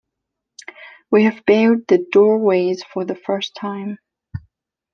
We have barred the doorways for the first time.